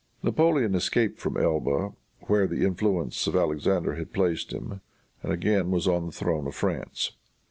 Napoleon escaped from Elba, where the influence of Alexander had placed him, and again was on the throne of France.